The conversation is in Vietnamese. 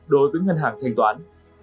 đối với ngân hàng thanh toán